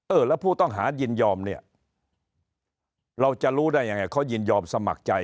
เออแล้วผู้ต้องหายินยอมเนี่ยเราจะรู้ได้ยังไงเขายินยอมสมัครใจ